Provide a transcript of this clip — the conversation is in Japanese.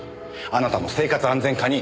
あなたの生活安全課に！